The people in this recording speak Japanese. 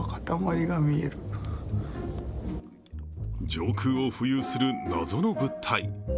上空を浮遊する謎の物体。